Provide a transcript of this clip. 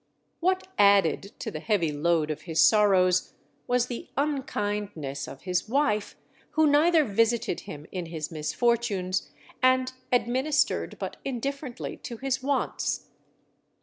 What added to the heavy load of his sorrows, was the unkindness of his wife, who neither visited him in his misfortunes, and administered but indifferently to his wants.